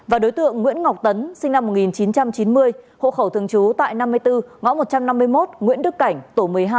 và đối tượng nguyễn ngọc tấn sinh năm một nghìn chín trăm chín mươi hộ khẩu thường trú tại năm mươi bốn ngõ một trăm năm mươi một nguyễn đức cảnh tổ một mươi hai